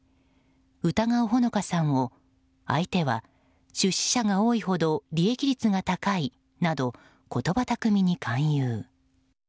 疑う穂野香さんを相手は出資者が多いほど利益率が高いなど言葉巧みに勧誘。